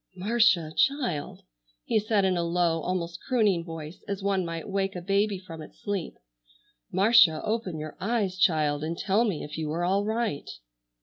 "Marcia,—child!" he said in a low, almost crooning voice, as one might wake a baby from its sleep, "Marcia, open your eyes, child, and tell me if you are all right."